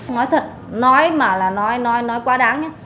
nói thật nói mà là nói nói nói quá đáng nhé